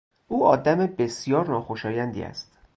او آدم بسیار ناخوشایندی است.